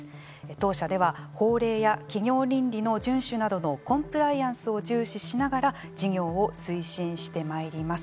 当社では法令や企業倫理の順守などのコンプライアンスを重視しながら事業を推進してまいります